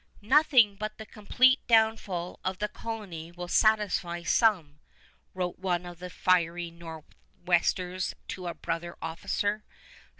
"Nothing but the complete downfall of the colony will satisfy some," wrote one of the fiery Nor'westers to a brother officer.